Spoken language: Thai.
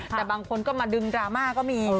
แต่บางคนก็มาดึงดราม่าก็มี